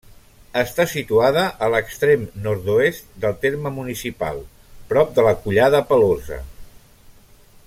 Està situada a l'extrem nord-oest del terme municipal, prop de la Collada Pelosa.